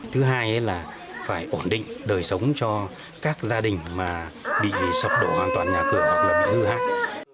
thứ hai là phải ổn định đời sống cho các gia đình mà bị sập đổ hoàn toàn nhà cửa hoặc là bị hư hát